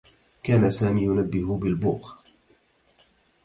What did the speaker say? كان سامي ينبّه بالبوق.